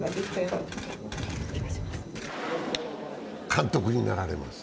監督になられます。